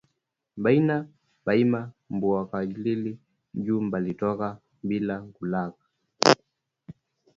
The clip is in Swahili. Bana baima bukali ju balitoka bila kulaka